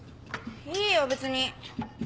いいよ別に。